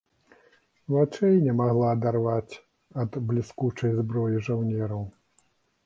Вачэй не магла адарваць ад бліскучай зброі жаўнераў.